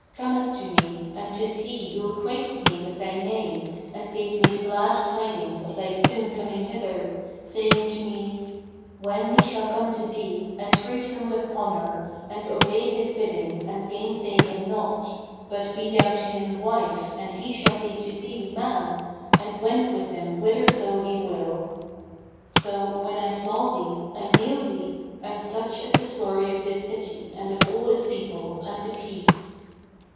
cometh to me and 'tis he who acquainted me with thy name and gave me the glad tidings of thy soon coming hither, saying to me, 'When he shall come to thee, entreat him with honour and obey his bidding and gainsay him not; but be thou to him wife and he shall be to thee man, and wend with him whitherso he will.' So, when I saw thee, I knew thee and such is the story of this city and of its people, and the Peace!'"